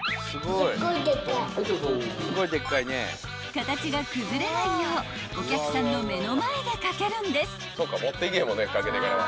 ［形が崩れないようお客さんの目の前で掛けるんです］